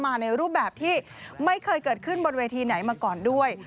ในรูปแบบที่ไม่เคยเกิดขึ้นบนเวทีไหนมาก่อนด้วย